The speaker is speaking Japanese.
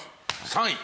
３位！